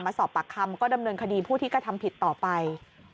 สอบปากคำก็ดำเนินคดีผู้ที่กระทำผิดต่อไป